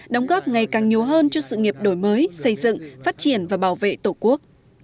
đóng góp ngày càng nhiều hơn cho sự nghiệp đổi mới xây dựng phát triển và bảo vệ tổ quốc